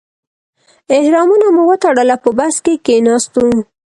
احرامونه مو وتړل او په بس کې کیناستو.